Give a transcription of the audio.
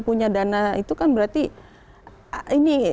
punya dana itu kan berarti ini